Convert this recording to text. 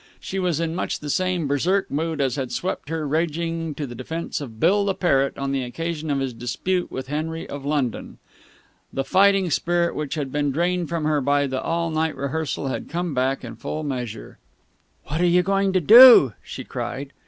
She was in much the same Berserk mood as had swept her, raging, to the defence of Bill the parrot on the occasion of his dispute with Henry of London. The fighting spirit which had been drained from her by the all night rehearsal had come back in full measure. "What are you going to do?" she cried.